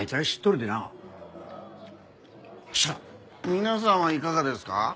皆さんはいかがですか？